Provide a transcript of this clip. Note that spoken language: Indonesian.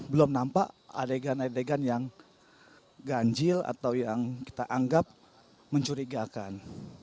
belum nampak adegan adegan yang ganjil atau yang kita anggap mencurigakan